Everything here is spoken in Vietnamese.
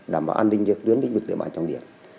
đảm bảo an ninh như tuyến lĩnh vực địa bàn trong địa